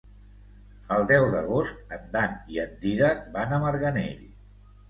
El deu d'agost en Dan i en Dídac van a Marganell.